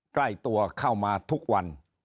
ใกล้ตัวเข้ามาทุกวัน